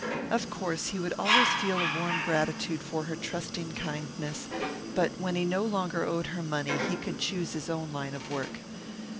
Of course he would always feel a warm gratitude for her trusting kindness, but when he no longer owed her money he could choose his own line of work.